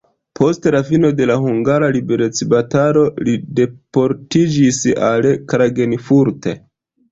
Post fino de la hungara liberecbatalo li deportiĝis al Klagenfurt.